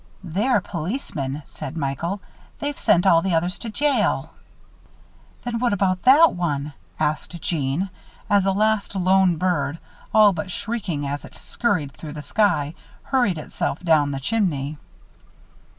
"They're policemen," said Michael. "They've sent all the others to jail." "Then what about that one!" asked Jeanne, as a last lone bird, all but shrieking as it scurried through the sky, hurled itself down the chimney.